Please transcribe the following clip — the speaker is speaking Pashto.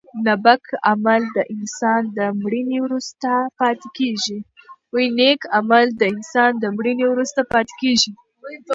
نېک عمل د انسان تر مړینې وروسته پاتې کېږي.